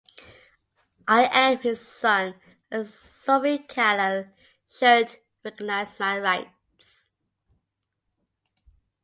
I am his son and Sufi Khalil should recognize my rights.